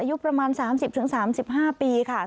อายุประมาณ๓๐๓๕ปีค่ะ